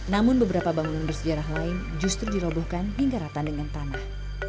namun beberapa bangunan bersejarah lain justru dirobohkan hingga rata dengan tanah